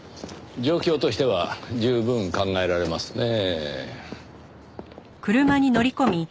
状況としては十分考えられますねぇ。